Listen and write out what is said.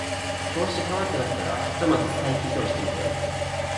調子が悪くなったらひとまず再起動してみて